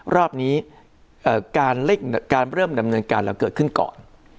รอบนี้การเริ่มดำเนินการเราเกิดขึ้นก่อน